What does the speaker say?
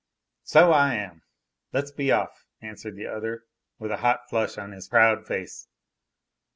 "So I am; let's be off," answered the other, with a hot flush on his proud face.